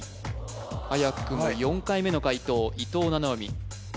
はやくも４回目の解答伊藤七海